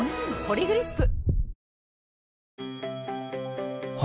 「ポリグリップ」